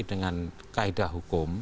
dengan kaedah hukum